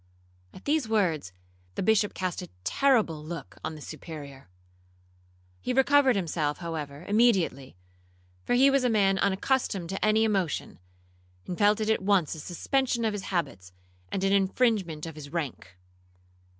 At these words, the Bishop cast a terrible look on the Superior. He recovered himself, however, immediately, for he was a man unaccustomed to any emotion, and felt it at once a suspension of his habits, and an infringement of his rank.